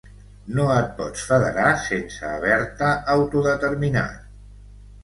No et pots federar sense haver-te autodeterminat.